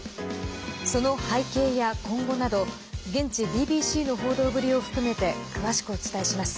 その背景や今後など現地、ＢＢＣの報道ぶりを含めて詳しくお伝えします。